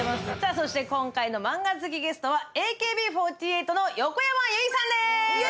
そして今回のマンガ好きゲストはＡＫＢ４８の横山由依さんです。